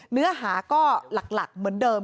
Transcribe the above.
เนื้อหาก็หลักเหมือนเดิม